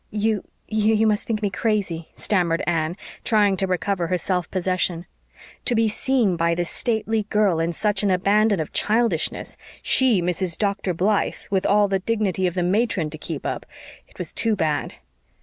"You you must think me crazy," stammered Anne, trying to recover her self possession. To be seen by this stately girl in such an abandon of childishness she, Mrs. Dr. Blythe, with all the dignity of the matron to keep up it was too bad!